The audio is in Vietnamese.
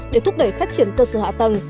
để thúc đẩy phát triển cơ sở hạ tầng